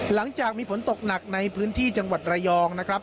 หลังจากมีฝนตกหนักในพื้นที่จังหวัดระยองนะครับ